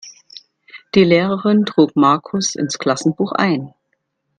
Die Lehrerin trug Markus ins Klassenbuch ein.